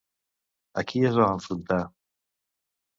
A qui es va enfrontar?